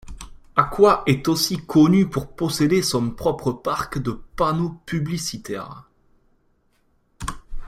Aqua est aussi connue pour posséder son propre parc de panneaux publicitaires.